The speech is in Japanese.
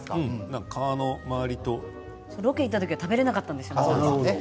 ロケに行った時食べられなかったんですよ。